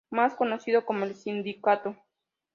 Más conocido como "el sindicato".